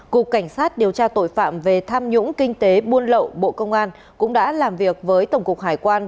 cục cảnh sát điều tra tội phạm về tham nhũng kinh tế buôn lậu bộ công an cũng đã làm việc với tổng cục hải quan